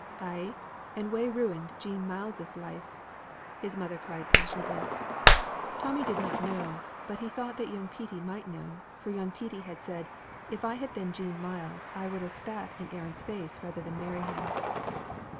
"Ay, and wha ruined Jean Myles's life?" his mother cried passionately. Tommy did not know, but he thought that young Petey might know, for young Petey had said: "If I had been Jean Myles I would have spat in Aaron's face rather than marry him."